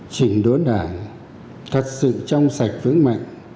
chỉnh đốn đảng thật sự trong sạch vững mạnh